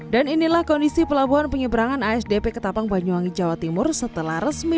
dan inilah kondisi pelabuhan penyeberangan asdp ketapang banyuwangi jawa timur setelah resmi